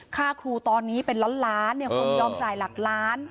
ค่าครูตอนนี้เป็นล้านล้านคนยอมจ่ายหลักล้าน